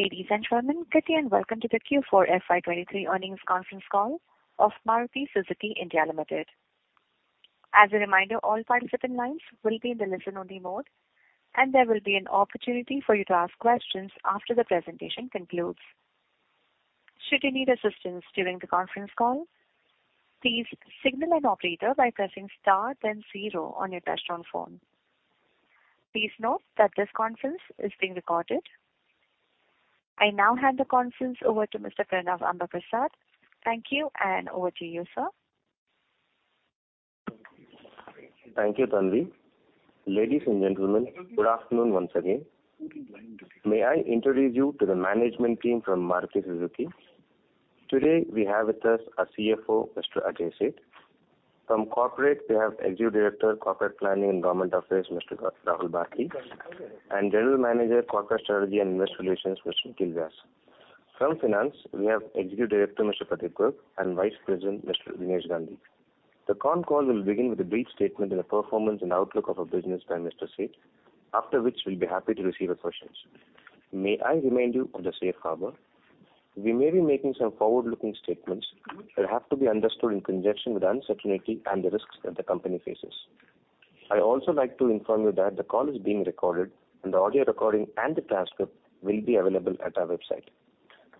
Ladies and gentlemen, good day and welcome to the Q4 FY23 earnings conference call of Maruti Suzuki India Limited. As a reminder, all participant lines will be in the listen-only mode, and there will be an opportunity for you to ask questions after the presentation concludes. Should you need assistance during the conference call, please signal an operator by pressing star zero on your touch-tone phone. Please note that this conference is being recorded. I now hand the conference over to Mr. Pranav Ambaprasad. Thank you, and over to you, sir. Thank you, Tanvi. Ladies and gentlemen, good afternoon once again. May I introduce you to the management team from Maruti Suzuki. Today, we have with us our CFO, Mr. Ajay Seth. From corporate, we have Executive Director, Corporate Planning and Government Affairs, Mr. Rahul Bharti. General Manager, Corporate Strategy and Investor Relations, Mr. Nikhil Vyas. From finance, we have Executive Director, Mr. Pradeep Garg, and Vice President, Mr. Dinesh Gandhi. The con call will begin with a brief statement on the performance and outlook of our business by Mr. Seth, after which we'll be happy to receive your questions. May I remind you of the safe harbor. We may be making some forward-looking statements that have to be understood in conjunction with the uncertainty and the risks that the company faces. I also like to inform you that the call is being recorded and the audio recording and the transcript will be available at our website.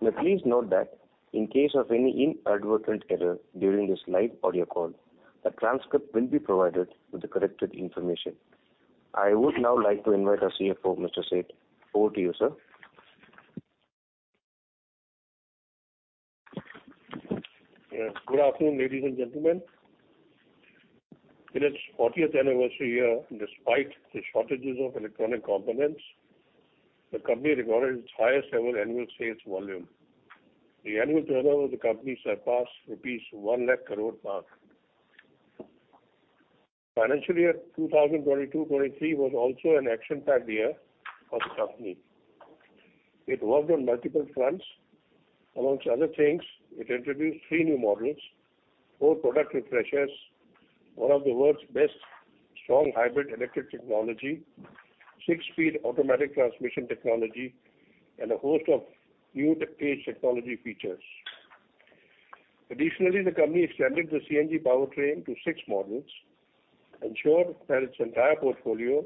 Now, please note that in case of any inadvertent error during this live audio call, a transcript will be provided with the corrected information. I would now like to invite our CFO, Mr. Seth. Over to you, sir. Yes. Good afternoon, ladies and gentlemen. In its fortieth anniversary year, despite the shortages of electronic components, the company recorded its highest ever annual sales volume. The annual turnover of the company surpassed rupees 1 lakh crore mark. Financial year 2022, 2023 was also an action-packed year for the company. It worked on multiple fronts. Amongst other things, it introduced three new models, four product refreshes, one of the world's best strong hybrid electric technology, six-speed automatic transmission technology, and a host of new tech-based technology features. Additionally, the company extended the CNG powertrain to six models, ensured that its entire portfolio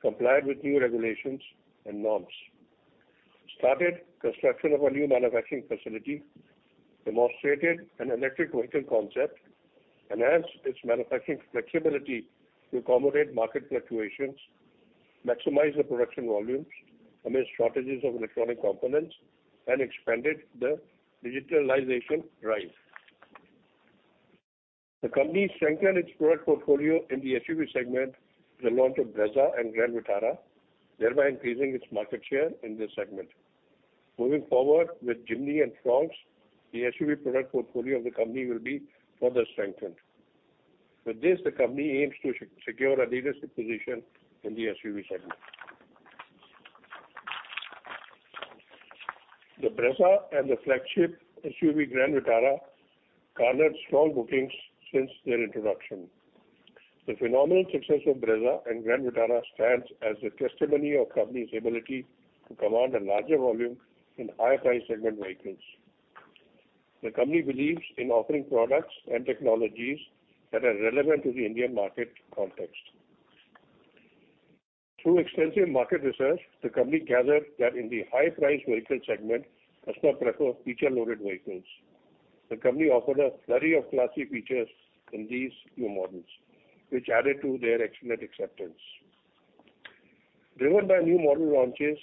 complied with new regulations and norms, started construction of a new manufacturing facility, demonstrated an electric vehicle concept, enhanced its manufacturing flexibility to accommodate market fluctuations, maximized the production volumes amidst shortages of electronic components, and expanded the digitalization drive. The company strengthened its product portfolio in the SUV segment with the launch of Brezza and Grand Vitara, thereby increasing its market share in this segment. Moving forward with Jimny and FRONX, the SUV product portfolio of the company will be further strengthened. With this, the company aims to secure a leadership position in the SUV segment. The Brezza and the flagship SUV Grand Vitara garnered strong bookings since their introduction. The phenomenal success of Brezza and Grand Vitara stands as a testimony of company's ability to command a larger volume in higher price segment vehicles. The company believes in offering products and technologies that are relevant to the Indian market context. Through extensive market research, the company gathered that in the high-priced vehicle segment, customers prefer feature-loaded vehicles. The company offered a flurry of classy features in these new models, which added to their excellent acceptance. Driven by new model launches,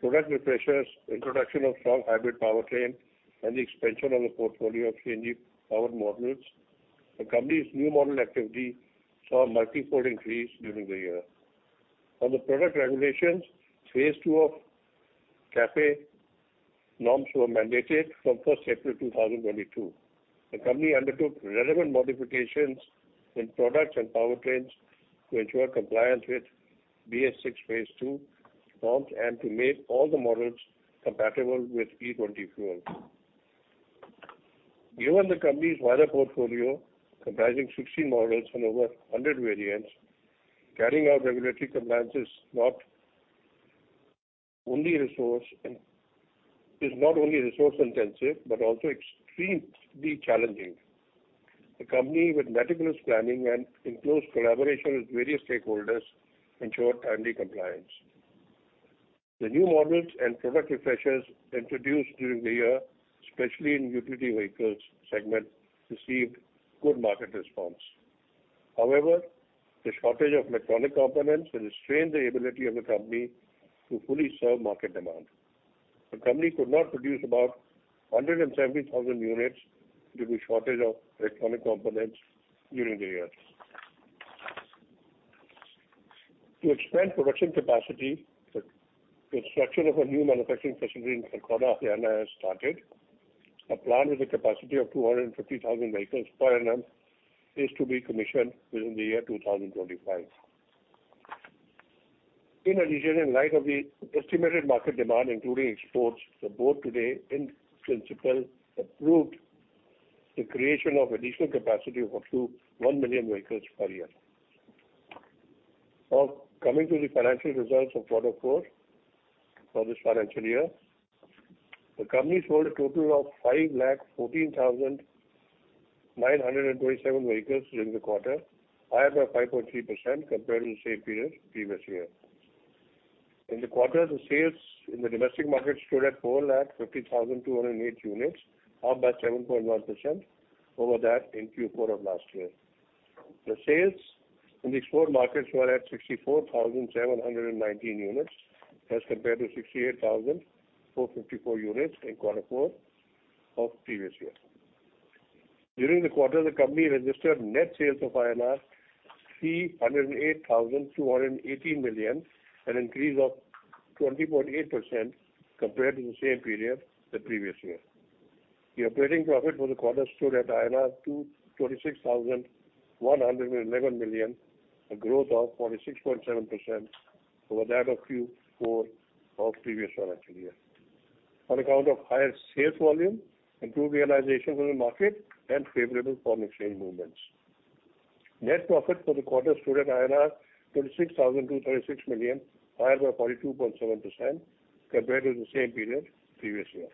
product refreshes, introduction of strong hybrid powertrain, and the expansion of the portfolio of CNG-powered models, the company's new model activity saw a multi-fold increase during the year. On the product regulations, Phase 2 of CAFE norms were mandated from 1st April 2022. The company undertook relevant modifications in products and powertrains to ensure compliance with BS6 Phase 2 norms and to make all the models compatible with E20 fuel. Given the company's wider portfolio comprising 16 models and over 100 variants, carrying out regulatory compliance is not only resource-intensive but also extremely challenging. The company, with meticulous planning and in close collaboration with various stakeholders, ensured timely compliance. The new models and product refreshes introduced during the year, especially in utility vehicles segment, received good market response. However, the shortage of electronic components has restrained the ability of the company to fully serve market demand. The company could not produce about 170,000 units due to shortage of electronic components during the year. To expand production capacity, the construction of a new manufacturing facility in Kharkhoda, Haryana has started. A plant with a capacity of 250,000 vehicles per annum is to be commissioned within the year 2025. In addition, in light of the estimated market demand, including exports, the Board today, in principle, approved the creation of additional capacity of up to 1 million vehicles per year. Coming to the financial results of quarter four for this financial year. The company sold a total of 514,927 vehicles during the quarter, higher by 5.3% compared to the same period previous year. In the quarter, the sales in the domestic market stood at 450,208 units, up by 7.1% over that in Q4 of last year. The sales in the export markets were at 64,719 units as compared to 68,454 units in quarter four of previous year. During the quarter, the company registered net sales of INR 308,280 million, an increase of 20.8% compared to the same period the previous year. The operating profit for the quarter stood at INR 26,111 million, a growth of 46.7% over that of Q4 of previous financial year. On account of higher sales volume, improved realization from the market and favorable foreign exchange movements. Net profit for the quarter stood at 26,236 million, higher by 42.7% compared to the same period previous year.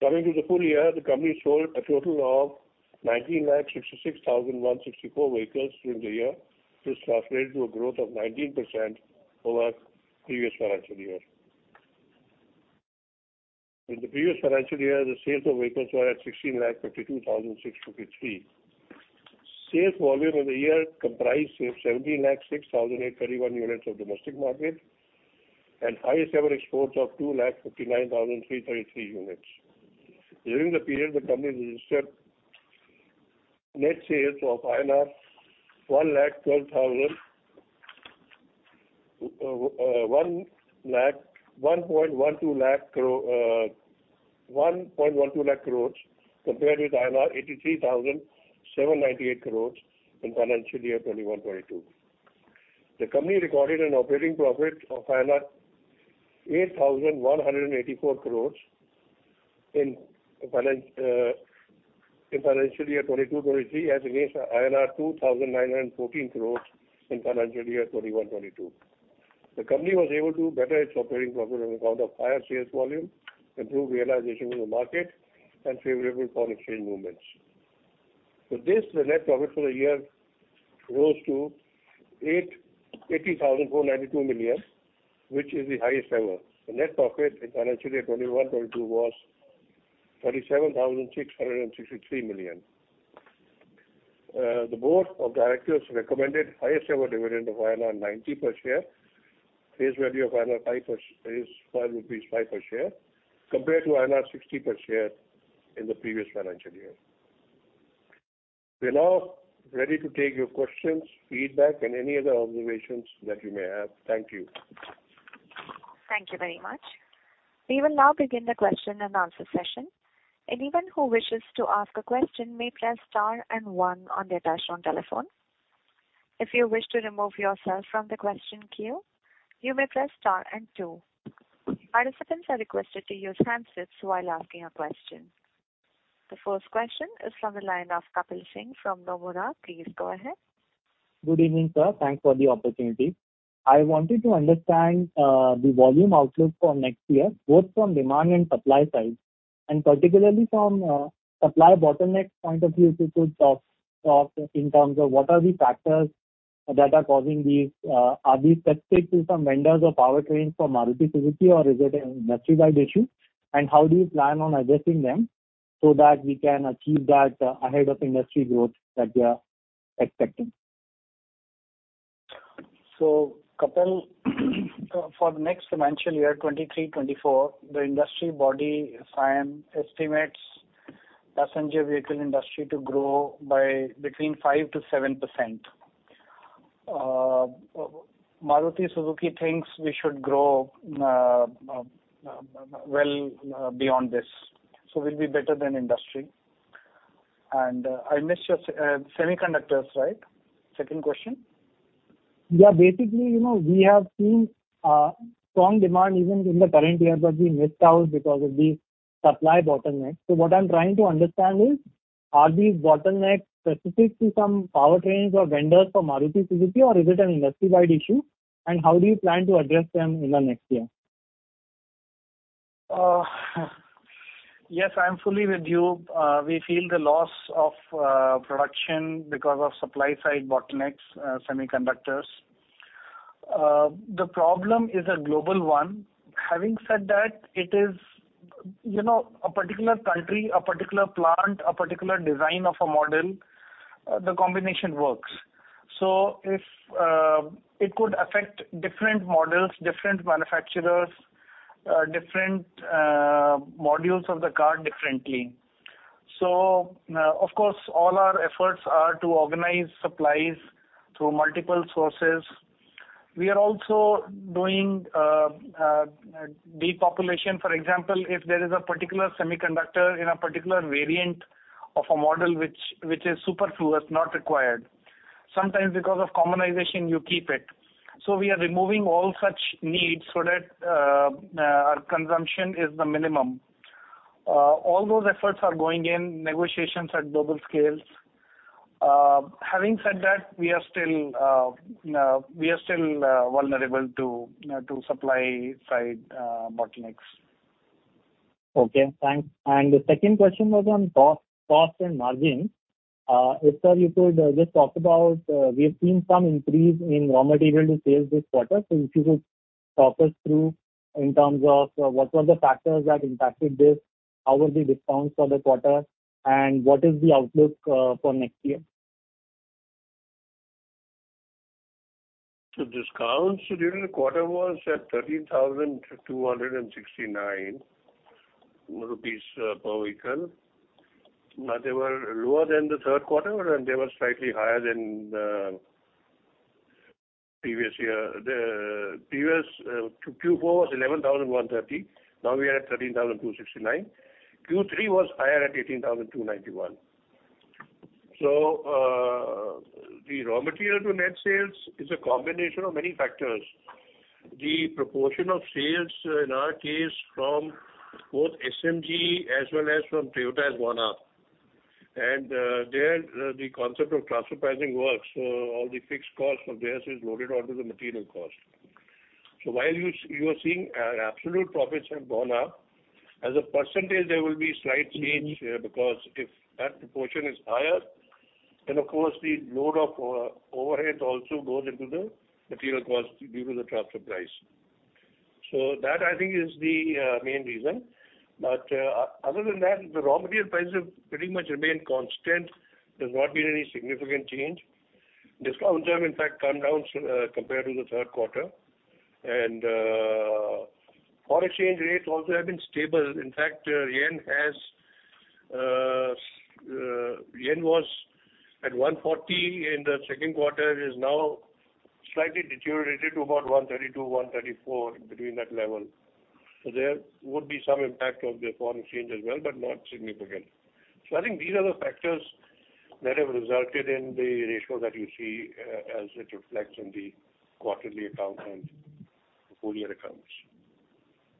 Coming to the full year, the company sold a total of 1,966,164 vehicles during the year. This translated to a growth of 19% over previous financial year. In the previous financial year, the sales of vehicles were at 1,652,653. Sales volume in the year comprised of 17 lakh 6,831 units of domestic market and highest ever exports of 2 lakh 59,333 units. During the period, the company registered net sales of 1.12 lakh crores compared with INR 83,798 crores in financial year 2021-2022. The company recorded an operating profit of INR 8,184 crores in financial year 2022-2023 as against INR 2,914 crores in financial year 2021-2022. The company was able to better its operating profit on account of higher sales volume, improved realization from the market and favorable foreign exchange movements. With this, the net profit for the year rose to 80,492 million, which is the highest ever. The net profit in financial year 2021, 2022 was 37,663 million. The board of directors recommended highest ever dividend of INR 90 per share, face value of 5 per share, compared to INR 60 per share in the previous financial year. We are now ready to take your questions, feedback and any other observations that you may have. Thank you. Thank you very much. We will now begin the question and answer session. Anyone who wishes to ask a question may press star and one on their touch-tone telephone. If you wish to remove yourself from the question queue, you may press star and two. Participants are requested to use handsets while asking a question. The first question is from the line of Kapil Singh from Nomura. Please go ahead. Good evening, sir. Thanks for the opportunity. I wanted to understand the volume outlook for next year, both from demand and supply side, and particularly from supply bottleneck point of view, if you could talk in terms of what are the factors that are causing these. Are these specific to some vendors or powertrains for Maruti Suzuki or is it an industry-wide issue? How do you plan on addressing them so that we can achieve that ahead of industry growth that we are expecting? Kapil, for the next financial year, 2023, 2024, the industry body, SIAM, estimates passenger vehicle industry to grow by between 5%-7%. Maruti Suzuki thinks we should grow, well, beyond this. We'll be better than industry. I missed your semiconductors, right? Second question. Yeah, basically, you know, we have seen strong demand even in the current year, but we missed out because of the supply bottleneck. What I'm trying to understand is, are these bottlenecks specific to some powertrains or vendors for Maruti Suzuki, or is it an industry-wide issue? How do you plan to address them in the next year? Yes, I am fully with you. We feel the loss of production because of supply side bottlenecks, semiconductors. The problem is a global one. Having said that, it is, you know, a particular country, a particular plant, a particular design of a model, the combination works. If it could affect different models, different manufacturers, different modules of the car differently. Of course, all our efforts are to organize supplies through multiple sources. We are also doing depopulation. For example, if there is a particular semiconductor in a particular variant of a model which is superfluous, not required. Sometimes because of commonization, you keep it. We are removing all such needs so that our consumption is the minimum. All those efforts are going in negotiations at global scales. Having said that, we are still vulnerable to supply-side bottlenecks. Okay, thanks. The second question was on cost and margin. If, sir, you could just talk about, we have seen some increase in raw material to sales this quarter. If you could talk us through in terms of, what were the factors that impacted this? How were the discounts for the quarter? What is the outlook for next year? Discounts during the quarter was at 13,269 rupees per vehicle. They were lower than the third quarter, and they were slightly higher than the previous year. The previous Q4 was 11,130. Now we are at 13,269. Q3 was higher at 18,291. The raw material to net sales is a combination of many factors. The proportion of sales in our case from both SMG as well as from Toyota has gone up. There, the concept of transfer pricing works. All the fixed costs from this is loaded onto the material cost. While you are seeing absolute profits have gone up, as a percentage, there will be slight change here, because if that proportion is higher, then of course, the load of overhead also goes into the material cost due to the transfer price. That I think is the main reason. Other than that, the raw material prices have pretty much remained constant. There's not been any significant change. Discounts have in fact come down compared to the third quarter. Foreign exchange rates also have been stable. In fact, yen was at 140 in the second quarter. It has now slightly deteriorated to about 132-134, between that level. There would be some impact of the foreign exchange as well, but not significant. I think these are the factors that have resulted in the ratio that you see, as it reflects in the quarterly account and the full year accounts.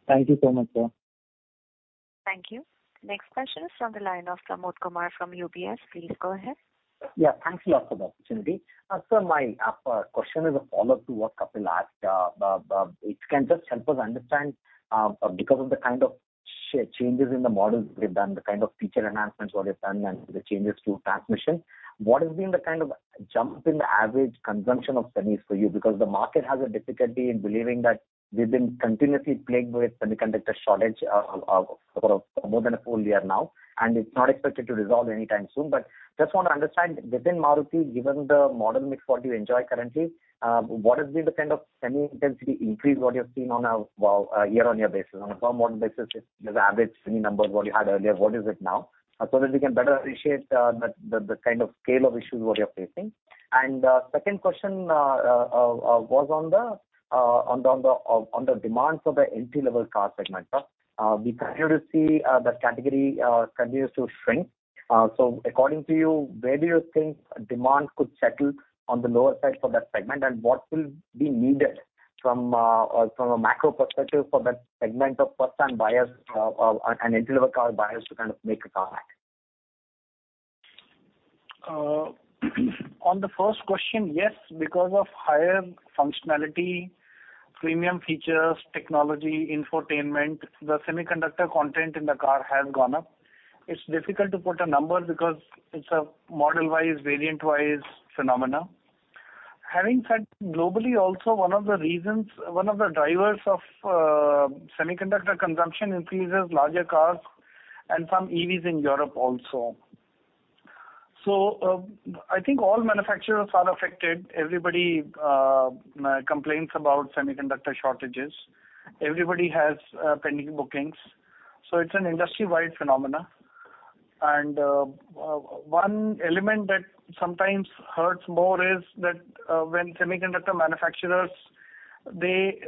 Thank you so much, sir. Thank you. Next question is from the line of Pramod Kumar from UBS. Please go ahead. Thanks a lot for the opportunity. Sir, my question is a follow-up to what Kapil asked. If you can just help us understand, because of the kind of changes in the models that you've done, the kind of feature enhancements what you've done and the changes to transmission, what has been the kind of jump in the average consumption of semis for you? Because the market has a difficulty in believing that we've been continuously plagued with semiconductor shortage for more than a full year now, and it's not expected to resolve anytime soon. Just want to understand within Maruti, given the model mix what you enjoy currently, what has been the kind of semi intensity increase what you have seen on a, well, year-on-year basis? On a pro model basis, if the average semi numbers what you had earlier, what is it now? That we can better appreciate the kind of scale of issues what you're facing. Second question was on the demands of the entry-level car segment. We continue to see that category continues to shrink. According to you, where do you think demand could settle on the lower side for that segment? What will be needed from a macro perspective for that segment of first time buyers and entry-level car buyers to kind of make a comeback? On the first question, yes, because of higher functionality, premium features, technology, infotainment, the semiconductor content in the car has gone up. It's difficult to put a number because it's a model-wise, variant-wise phenomena. Having said, globally also one of the reasons, one of the drivers of semiconductor consumption increases larger cars and some EVs in Europe also. I think all manufacturers are affected. Everybody complains about semiconductor shortages. Everybody has pending bookings. It's an industry-wide phenomena. One element that sometimes hurts more is that when semiconductor manufacturers, they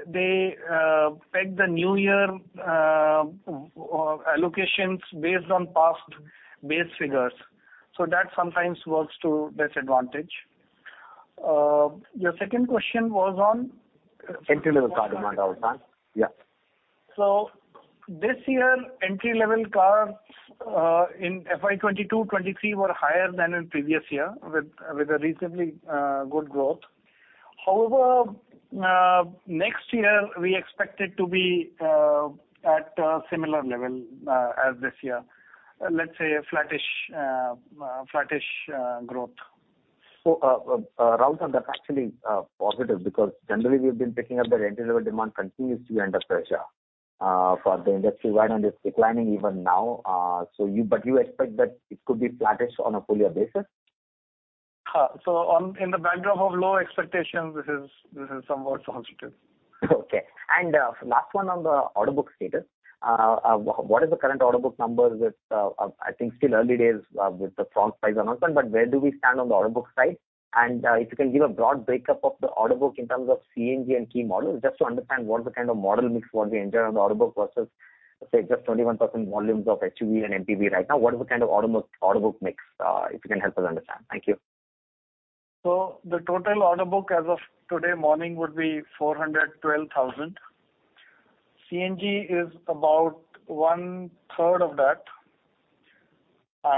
peg the new year allocations based on past base figures. That sometimes works to disadvantage. Your second question was on? Entry-level car demand, Rahul san. Yeah. This year, entry-level cars, in FY 2022-2023 were higher than in previous year with a reasonably, good growth. However, next year we expect it to be at a similar level, as this year. Let's say a flattish growth. Rahul san, that's actually positive because generally we've been picking up the entry-level demand continues to be under pressure for the industry wide and it's declining even now. You expect that it could be flattish on a full year basis? In the backdrop of low expectations, this is somewhat positive. Okay. Last one on the order book status. What is the current order book numbers with, I think still early days, with the FRONX price announcement, but where do we stand on the order book side? If you can give a broad breakup of the order book in terms of CNG and key models, just to understand what the kind of model mix what we enjoy on the order book versus say just 21% volumes of SUV and MPV right now. What is the kind of auto book mix, if you can help us understand. Thank you. The total order book as of today morning would be 412,000. CNG is about one-third of that. We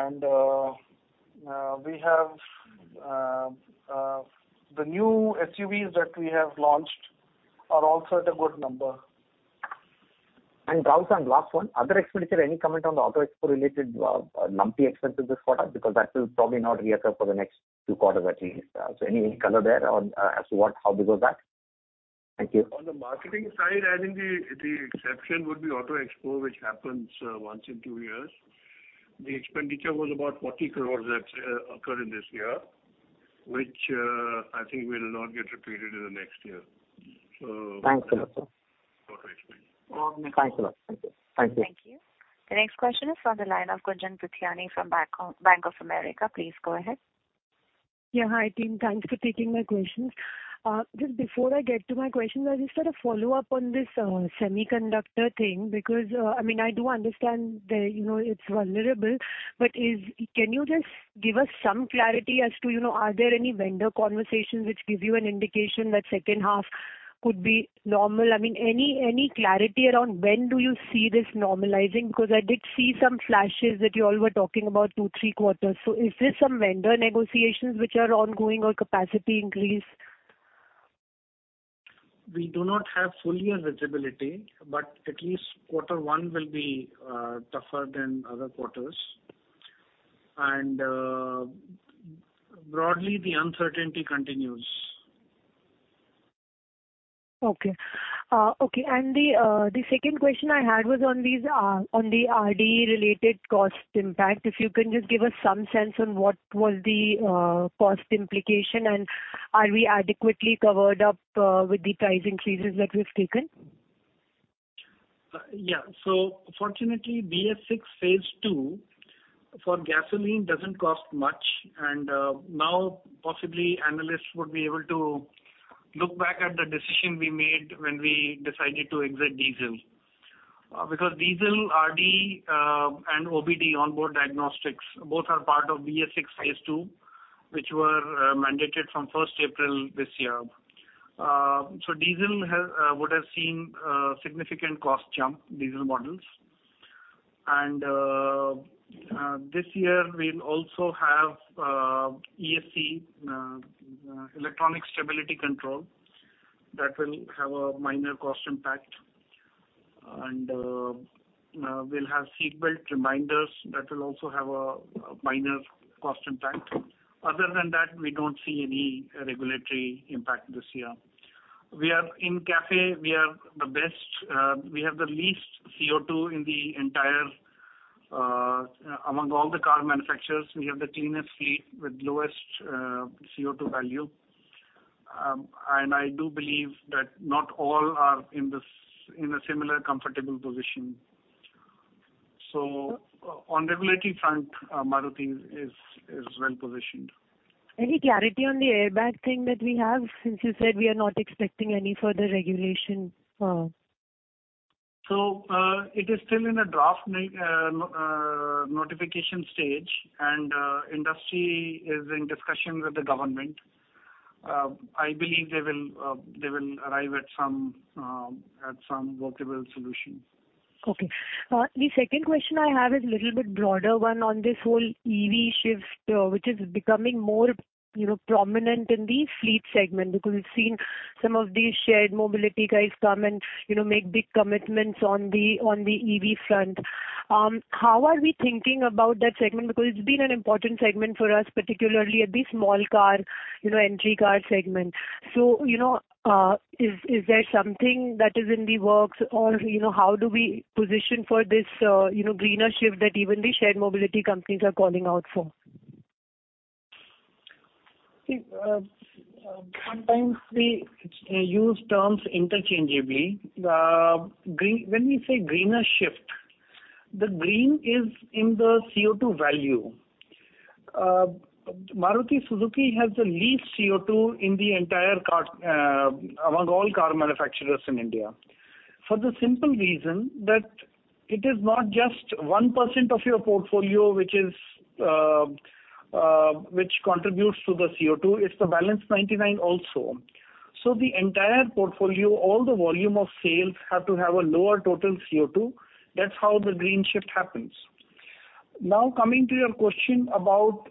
have the new SUVs that we have launched are also at a good number. Rahul, and last one. Other expenditure, any comment on the Auto Expo related, lumpy expenses this quarter, because that will probably not reoccur for the next two quarters at least. Any, any color there on, as to how big was that? Thank you. On the marketing side, I think the exception would be Auto Expo, which happens once in two years. The expenditure was about 40 crores that occurred in this year, which I think will not get repeated in the next year. Thanks a lot, sir. Auto Expo. Thanks a lot. Thank you. Thank you. The next question is from the line of Gunjan Prithyani from Bank of America. Please go ahead. Hi, team. Thanks for taking my questions. Just before I get to my question, I just want to follow up on this semiconductor thing because, I mean, I do understand that, you know, it's vulnerable, but can you just give us some clarity as to, you know, are there any vendor conversations which give you an indication that second half could be normal? I mean, any clarity around when do you see this normalizing? Because I did see some flashes that you all were talking about two, three quarters. Is this some vendor negotiations which are ongoing or capacity increase? We do not have full year visibility. At least quarter one will be tougher than other quarters. Broadly, the uncertainty continues. Okay. Okay. The second question I had was on these on the RDE related cost impact. If you can just give us some sense on what was the cost implication, and are we adequately covered up with the price increases that we've taken? Yeah. Fortunately, BS6 Phase 2 for gasoline doesn't cost much. Now possibly analysts would be able to look back at the decision we made when we decided to exit diesel. Because diesel, RDE, and OBD, On-Board Diagnostics, both are part of BS6 Phase 2, which were mandated from 1st April this year. Diesel has would have seen significant cost jump, diesel models. This year we'll also have ESC, Electronic Stability Control, that will have a minor cost impact. We'll have seatbelt reminders that will also have a minor cost impact. Other than that, we don't see any regulatory impact this year. We are in CAFE, we are the best, we have the least CO2 in the entire, among all the car manufacturers, we have the cleanest fleet with lowest CO2 value. I do believe that not all are in this, in a similar comfortable position. On regulatory front, Maruti is well-positioned. Any clarity on the airbag thing that we have since you said we are not expecting any further regulation? It is still in a draft notification stage, and industry is in discussion with the government. I believe they will, they will arrive at some, at some workable solution. Okay. The second question I have is a little bit broader one on this whole EV shift, which is becoming more, you know, prominent in the fleet segment, because we've seen some of these shared mobility guys come and, you know, make big commitments on the, on the EV front. How are we thinking about that segment? It's been an important segment for us, particularly at the small car, you know, entry car segment. You know, is there something that is in the works or, you know, how do we position for this, you know, greener shift that even the shared mobility companies are calling out for? See, sometimes we use terms interchangeably. When we say greener shift, the green is in the CO2 value. Maruti Suzuki has the least CO2 in the entire car among all car manufacturers in India. For the simple reason that it is not just 1% of your portfolio which contributes to the CO2, it's the balance 99 also. The entire portfolio, all the volume of sales have to have a lower total CO2. That's how the green shift happens. Now, coming to your question about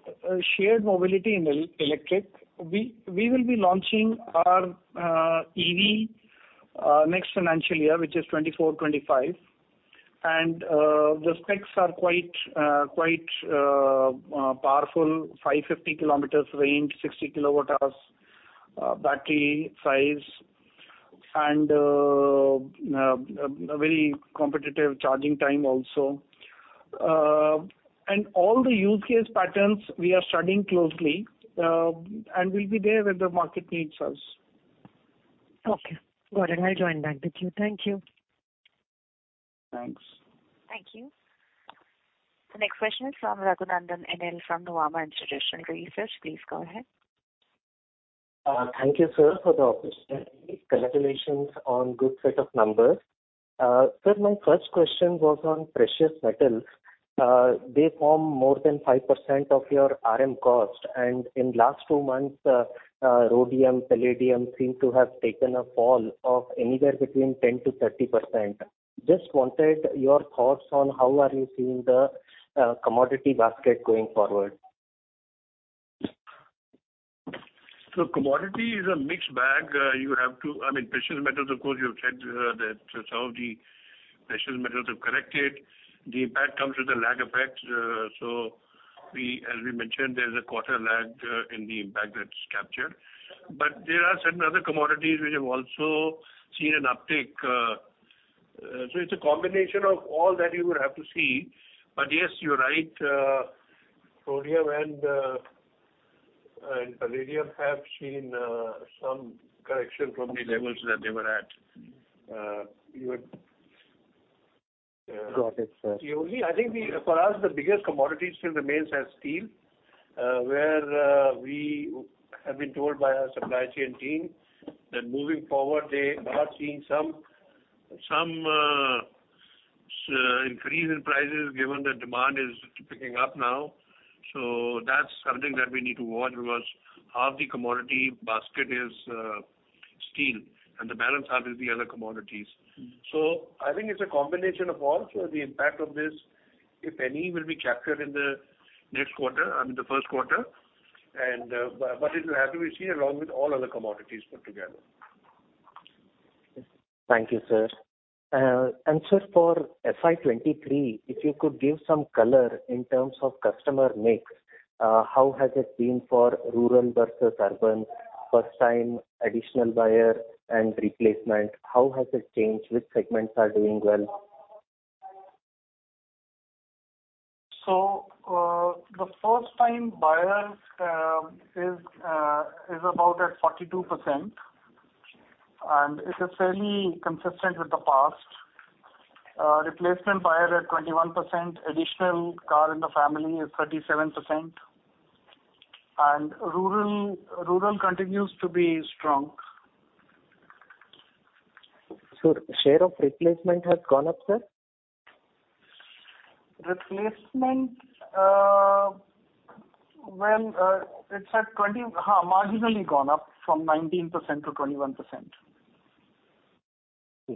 shared mobility in electric. We will be launching our EV next financial year, which is 2024-2025. The specs are quite powerful, 550 km range, 60 kWh battery size, and a very competitive charging time also. All the use case patterns we are studying closely, and we'll be there when the market needs us. Okay. Got it. I'll join back with you. Thank you. Thanks. Thank you. The next question is from Raghunandhan N.L. from Nuvama Institutional Research. Please go ahead. Thank you, sir, for the opportunity. Congratulations on good set of numbers. Sir, my first question was on precious metals. They form more than 5% of your RM cost, and in last two months, rhodium, palladium seem to have taken a fall of anywhere between 10%-30%. Just wanted your thoughts on how are you seeing the commodity basket going forward. Commodity is a mixed bag. I mean precious metals, of course, you've said, that some of the precious metals have corrected. The impact comes with a lag effect. We, as we mentioned, there's a quarter lag, in the impact that's captured. There are certain other commodities which have also seen an uptick. It's a combination of all that you would have to see. Yes, you're right. rhodium and palladium have seen, some correction from the levels that they were at. Got it, sir. I think we, for us, the biggest commodity still remains as steel, where we have been told by our supply chain team that moving forward, they are seeing some increase in prices given the demand is picking up now. That's something that we need to watch because half the commodity basket is steel and the balance half is the other commodities. I think it's a combination of all. The impact of this, if any, will be captured in the next quarter, I mean, the first quarter. But it will have to be seen along with all other commodities put together. Thank you, sir. Sir, for FY 2023, if you could give some color in terms of customer mix, how has it been for rural versus urban, first time additional buyer and replacement? How has it changed? Which segments are doing well? The first time buyers is about at 42%, and it is fairly consistent with the past. Replacement buyer at 21%. Additional car in the family is 37%. Rural continues to be strong. Sir, share of replacement has gone up, sir? Replacement, well, it's at 20. Ha, marginally gone up from 19% to 21%.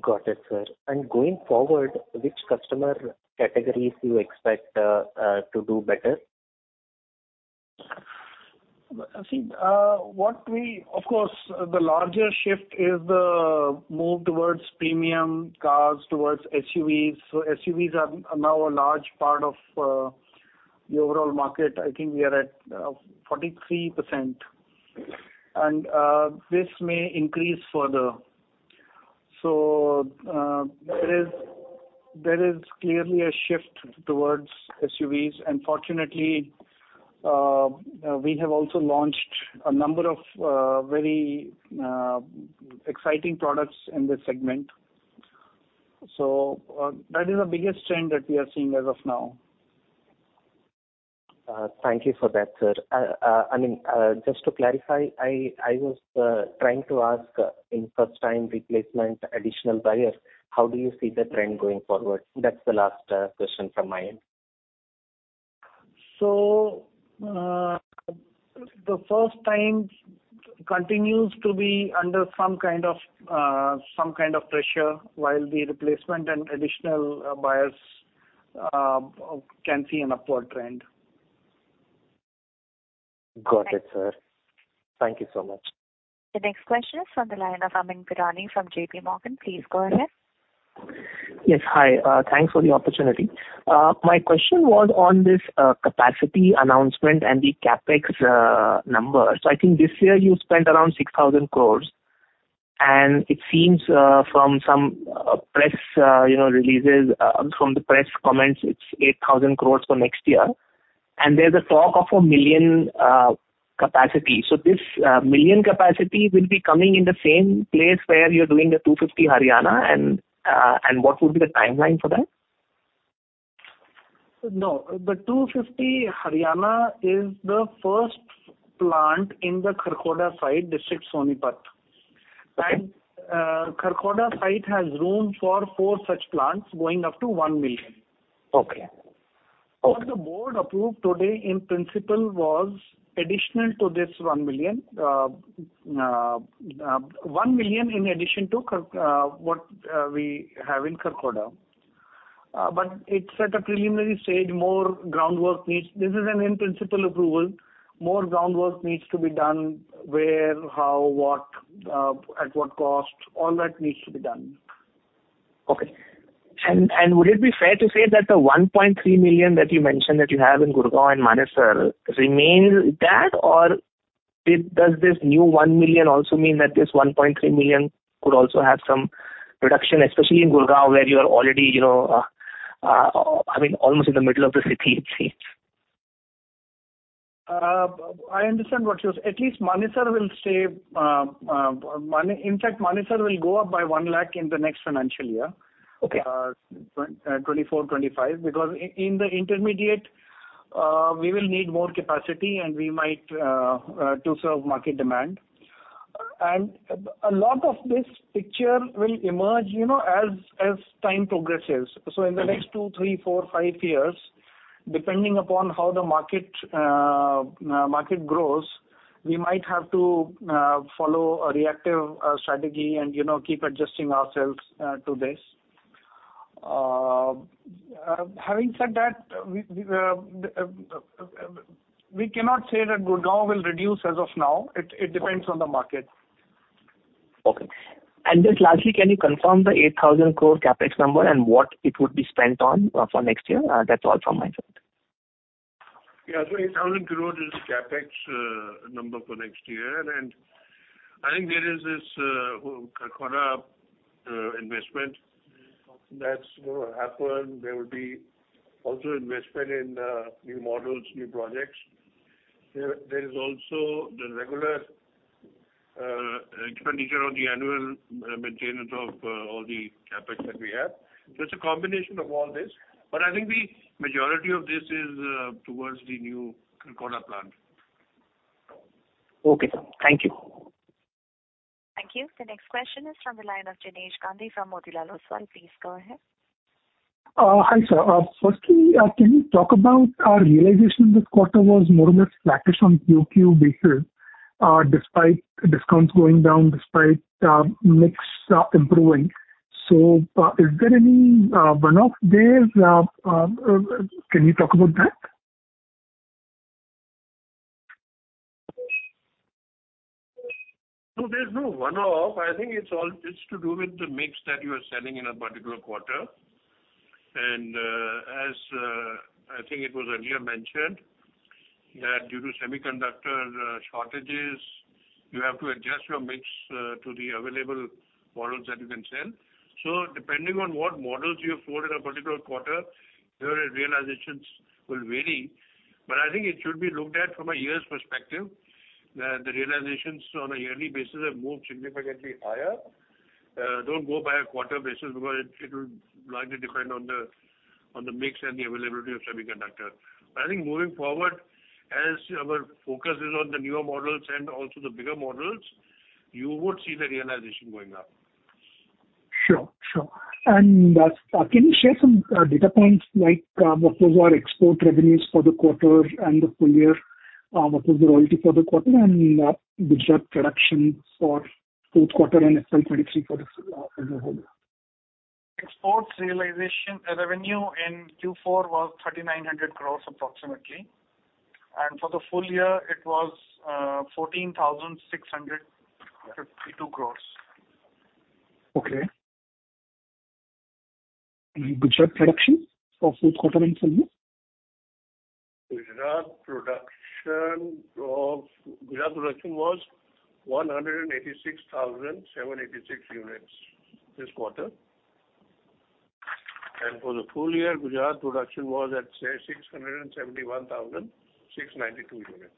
Got it, sir. Going forward, which customer categories do you expect to do better? See, Of course, the larger shift is the move towards premium cars, towards SUVs. SUVs are now a large part of the overall market. I think we are at 43%. This may increase further. There is clearly a shift towards SUVs. Fortunately, we have also launched a number of very exciting products in this segment. That is the biggest trend that we are seeing as of now. Thank you for that, sir. I mean, just to clarify, I was trying to ask, in first time replacement, additional buyers, how do you see the trend going forward? That's the last question from my end. The first time continues to be under some kind of, some kind of pressure, while the replacement and additional buyers can see an upward trend. Got it, sir. Thank you so much. The next question is from the line of Amyn Pirani from JPMorgan. Please go ahead. Yes. Hi. Thanks for the opportunity. My question was on this capacity announcement and the CapEx number. I think this year you spent around 6,000 crores. It seems from some press, you know, releases, from the press comments, it's 8,000 crores for next year. There's a talk of 1 million capacity. This million capacity will be coming in the same place where you're doing the 250 Haryana and what would be the timeline for that? No. The 250 Haryana is the first plant in the Kharkhoda site, district Sonipat. Kharkhoda site has room for four such plants going up to 1 million. Okay. Okay. What the board approved today in principle was additional to this 1 million. 1 million in addition to what we have in Kharkhoda. It's at a preliminary stage. More groundwork needs. This is an in-principle approval. More groundwork needs to be done. Where, how, what, at what cost? All that needs to be done. Okay. Would it be fair to say that the 1.3 million that you mentioned that you have in Gurgaon and Manesar remains that, or does this new 1 million also mean that this 1.3 million could also have some reduction, especially in Gurgaon, where you're already, you know, I mean, almost in the middle of the city it seems? At least Manesar will stay. In fact, Manesar will go up by 1 lakh in the next financial year- Okay. -2024, 2025. Because in the intermediate, we will need more capacity, and we might to serve market demand. A lot of this picture will emerge, you know, as time progresses. In the next two, three, four, five years, depending upon how the market grows, we might have to follow a reactive strategy and, you know, keep adjusting ourselves to this. Having said that, we cannot say that Gurgaon will reduce as of now. It depends on the market. Okay. Just lastly, can you confirm the 8,000 crore CapEx number and what it would be spent on, for next year? That's all from my side. Yeah. 8,000 crore is the CapEx number for next year. I think there is this Kharkhoda investment that's gonna happen. There will be also investment in new models, new projects. There is also the regular expenditure on the annual maintenance of all the CapEx that we have. It's a combination of all this. I think the majority of this is towards the new Kharkhoda plant. Okay, sir. Thank you. Thank you. The next question is from the line of Jinesh Gandhi from Motilal Oswal. Please go ahead. Hi, sir. Firstly, can you talk about our realization this quarter was more or less flattish on QOQ basis, despite discounts going down, despite mix improving? Is there any one-off there's, can you talk about that? No, there's no one-off. I think it's all just to do with the mix that you are selling in a particular quarter. As I think it was earlier mentioned that due to semiconductor shortages, you have to adjust your mix to the available models that you can sell. Depending on what models you afford in a particular quarter, your realizations will vary. I think it should be looked at from a year's perspective. The realizations on a yearly basis have moved significantly higher. Don't go by a quarter basis because it will largely depend on the mix and the availability of semiconductor. I think moving forward, as our focus is on the newer models and also the bigger models, you would see the realization going up. Sure, sure. Can you share some data points like what was our export revenues for the quarter and the full year? What was the royalty for the quarter and Gujarat production for fourth quarter and FY 2023 for the as a whole? Exports realization, revenue in Q4 was 3,900 crores approximately. For the full year it was, 14,652 crores. Okay. Gujarat production for fourth quarter and full year? Gujarat production was 186,786 units this quarter. For the full year, Gujarat production was at 671,692 units.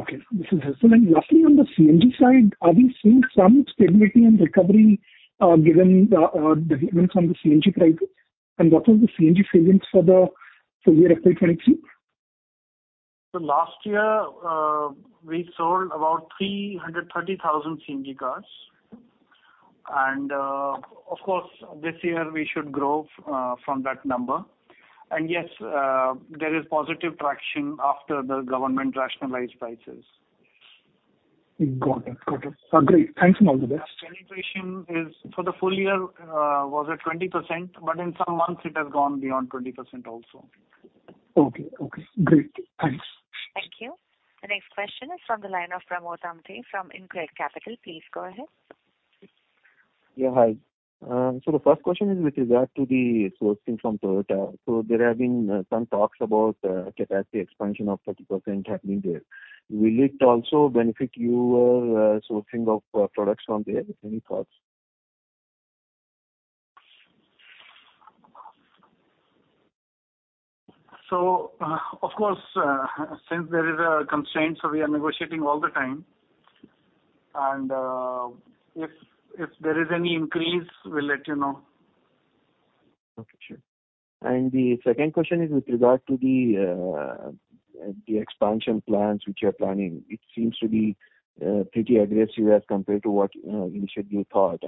Okay, this is helpful. Lastly, on the CNG side, are we seeing some stability and recovery, given the events on the CNG prices? What was the CNG sales for the full year FY 2023? Last year, we sold about 330,000 CNG cars. Of course, this year we should grow from that number. Yes, there is positive traction after the government rationalized prices. Got it. Got it. Great. Thanks, and all the best. Penetration is for the full year, was at 20%, but in some months it has gone beyond 20% also. Okay. Okay, great. Thanks. Thank you. The next question is from the line of Pramod Amthe from InCred Capital. Please go ahead. Yeah. Hi. The first question is with regard to the sourcing from Toyota. There have been some talks about capacity expansion of 30% happening there. Will it also benefit your sourcing of products from there? Any thoughts? Of course, since there is a constraint, so we are negotiating all the time. if there is any increase, we'll let you know. Okay, sure. The second question is with regard to the expansion plans which you're planning. It seems to be pretty aggressive as compared to what initially you thought.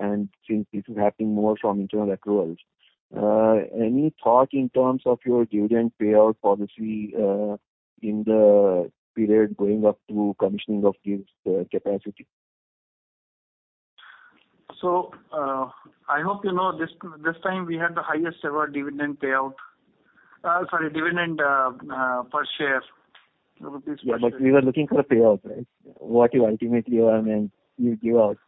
Since this is happening more from internal accruals, any thought in terms of your dividend payout policy in the period going up to commissioning of this capacity? I hope you know this time we had the highest ever dividend payout. sorry, dividend per share. We were looking for a payout, right? What you ultimately, I mean, you give out.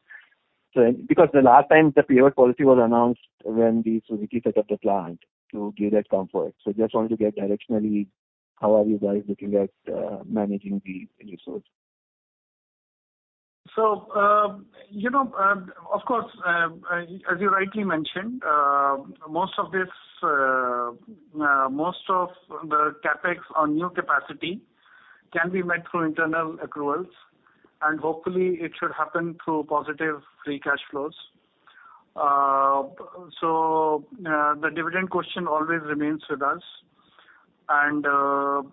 Because the last time the payout policy was announced when the Suzuki set up the plant to give that comfort. Just wanted to get directionally, how are you guys looking at, managing the resource? You know, of course, as you rightly mentioned, most of this, most of the CapEx on new capacity can be met through internal accruals, and hopefully it should happen through positive free cash flows. The dividend question always remains with us. The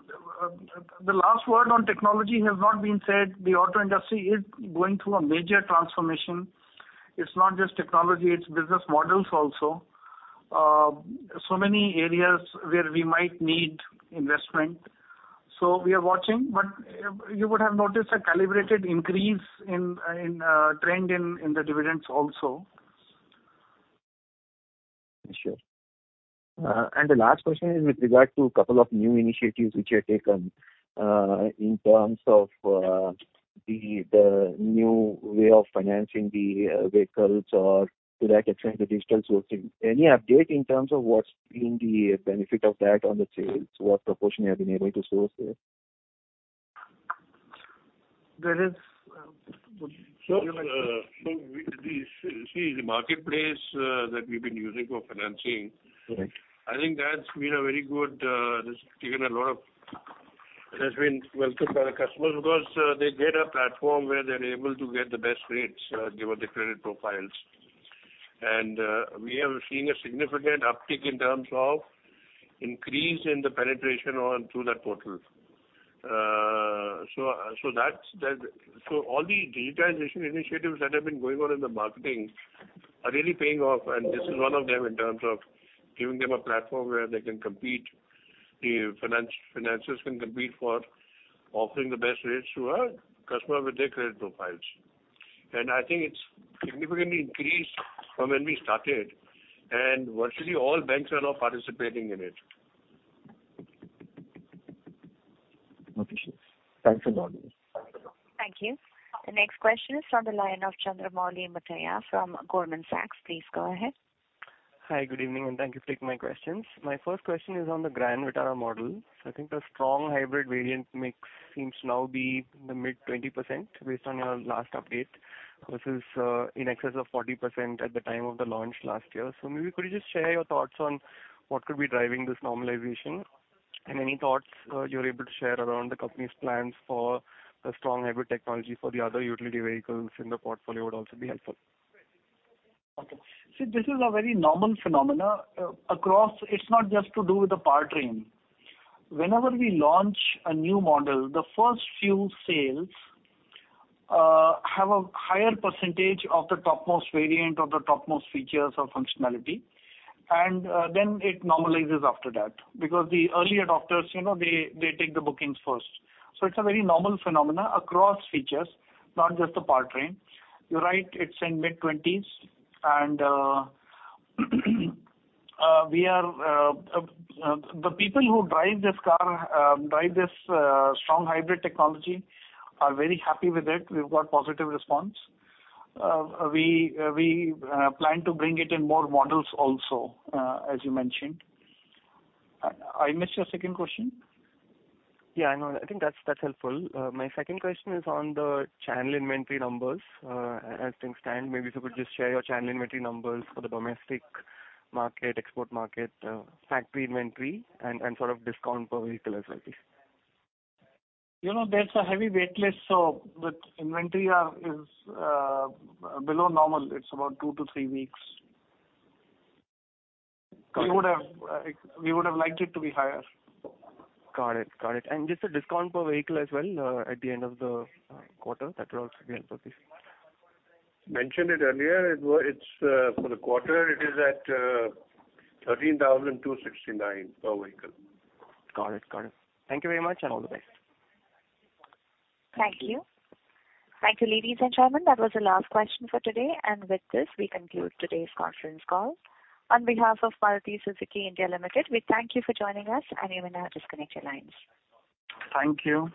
last word on technology has not been said. The auto industry is going through a major transformation. It's not just technology, it's business models also. Many areas where we might need investment. We are watching. You would have noticed a calibrated increase in trend in the dividends also. Sure. The last question is with regard to a couple of new initiatives which you have taken, in terms of the new way of financing the vehicles or to that extent, the digital sourcing. Any update in terms of what's been the benefit of that on the sales? What proportion you have been able to source there? There is- See the marketplace that we've been using for financing- Right. -I think that's been a very good. It has been welcomed by the customers because they get a platform where they're able to get the best rates given their credit profiles. We have seen a significant uptick in terms of increase in the penetration on through that portal. All the digitization initiatives that have been going on in the marketing are really paying off, and this is one of them in terms of giving them a platform where they can compete. The financiers can compete for offering the best rates to our customer with their credit profiles. I think it's significantly increased from when we started. Virtually all banks are now participating in it. Okay, sure. Thanks a lot. Thank you. The next question is on the line of Chandramouli Muthiah from Goldman Sachs. Please go ahead. Hi, good evening, thank you for taking my questions. My first question is on the Grand Vitara model. I think the strong hybrid variant mix seems to now be in the mid-20% based on your last update. This is in excess of 40% at the time of the launch last year. Maybe could you just share your thoughts on what could be driving this normalization? Any thoughts you're able to share around the company's plans for the strong hybrid technology for the other utility vehicles in the portfolio would also be helpful. Okay. See, this is a very normal phenomena across... It's not just to do with the powertrain. Whenever we launch a new model, the first few sales have a higher percentage of the topmost variant or the topmost features or functionality, then it normalizes after that. Because the early adopters, you know, they take the bookings first. It's a very normal phenomena across features, not just the powertrain. You're right, it's in mid-20s. We are the people who drive this car, drive this strong hybrid technology are very happy with it. We've got positive response. We plan to bring it in more models also, as you mentioned. I missed your second question. Yeah, I know. I think that's helpful. My second question is on the channel inventory numbers. As things stand, maybe if you could just share your channel inventory numbers for the domestic market, export market, factory inventory and sort of discount per vehicle as well, please. You know, there's a heavy waitlist, so the inventory is below normal. It's about two to three weeks. We would have liked it to be higher. Got it. Just a discount per vehicle as well, at the end of the quarter. That would also be helpful, please. Mentioned it earlier. It's, for the quarter, it is at, 13,269 per vehicle. Got it. Got it. Thank you very much, and all the best. Thank you. Thank you, ladies and gentlemen. That was the last question for today. With this, we conclude today's conference call. On behalf of Maruti Suzuki India Limited, we thank you for joining us, and you may now disconnect your lines. Thank you.